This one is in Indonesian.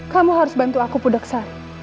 kamu harus bantu aku budaksari